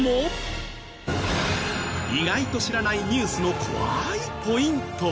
意外と知らないニュースの怖いポイント。